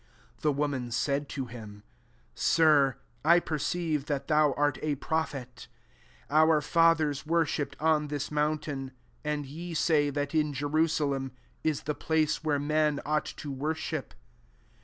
19 The woman said to him, "Sir, I perceive that thou art a prophet. 20 Our fathers worshipped on this mountain ; and ye say, that in Jenusalem is the place where men ought to worship.'